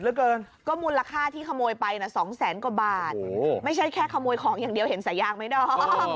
เหลือเกินก็มูลค่าที่ขโมยไปน่ะสองแสนกว่าบาทไม่ใช่แค่ขโมยของอย่างเดียวเห็นสายยางไหมดอม